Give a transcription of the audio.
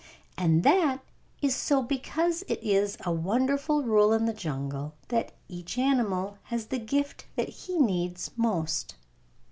And that is so because it is a wonderful rule in the jungle that each animal has the gift that he needs most.